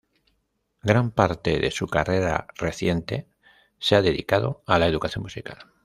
Gran parte de su carrera reciente se ha dedicado a la educación musical.